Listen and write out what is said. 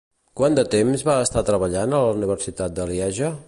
Quant de temps va estar treballant a la Universitat de Lieja?